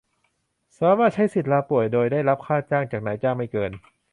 สามารถใช้สิทธิ์ลาป่วยโดยได้รับค่าจ้างจากนายจ้างไม่เกิน